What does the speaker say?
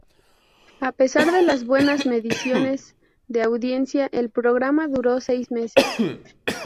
A pesar de las buenas mediciones de audiencia, el programa duró seis meses.